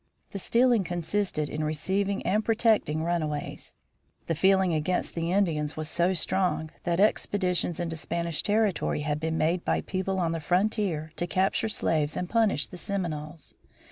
The "stealing" consisted in receiving and protecting runaways. The feeling against the Indians was so strong that expeditions into Spanish territory had been made by people on the frontier to capture slaves and punish the Seminoles.